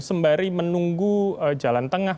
sembari menunggu jalan tengah